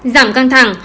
giảm căng thẳng